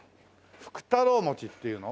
福太郎餅っていうの？